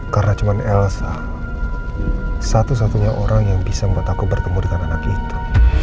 karena cuma elsa satu satunya orang yang bisa membuat aku bertemu dengan anak itu